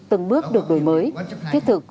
từng bước được đổi mới thiết thực